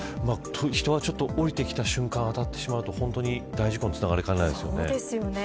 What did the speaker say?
人が降りてきた瞬間に当たってしまうと大事故につながりかねないですよね。